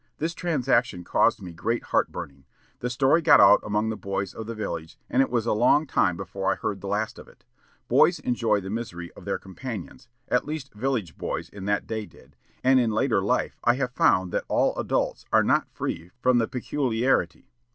This transaction caused me great heart burning. The story got out among the boys of the village, and it was a long time before I heard the last of it. Boys enjoy the misery of their companions, at least village boys in that day did, and in later life I have found that all adults are not free from the peculiarity.